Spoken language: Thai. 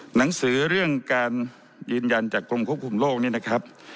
หนังสือเรื่องการยืนยันจากกรมควบคุมโลกนี้นะครับ